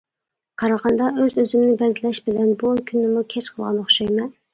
قارىغاندا ئۆز-ئۆزۈمنى بەزلەش بىلەن بۇ كۈننىمۇ كەچ قىلغان ئوخشايمەن.